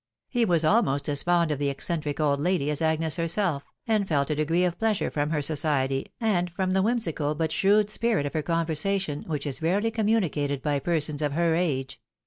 He was almost as fond of the eccentric old lady as Agnes herself, and felt a degree of pleasure from her society, and from the whimsical, but shrewd spirit of her conver sation, which is rarely communicated by persons of her age.